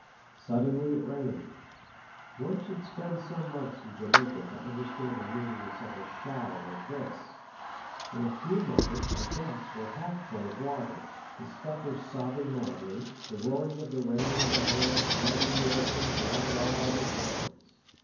Suddenly it rained. One should spend some months in Jamaica to understand the meaning of such a "shower" as this. In a few moments our decks were half full of water, the scuppers sobbing madly; the roaring of the rain and hail smiting the ocean drowned all other sounds.